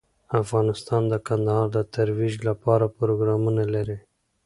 افغانستان د کندهار د ترویج لپاره پروګرامونه لري.